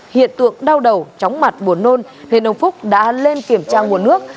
hiện tượng đau đầu chóng mặt buồn nôn nên ông phúc đã lên kiểm tra nguồn nước